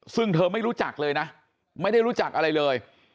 ซึ่งเธอไม่รู้จักเลยนะไม่ได้รู้จักอะไรเลย